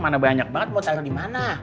mana banyak banget mau taruh dimana